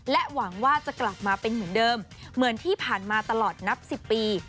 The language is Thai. หวังว่าจะกลับมาเป็นเหมือนเดิมเหมือนที่ผ่านมาตลอดนับ๑๐ปี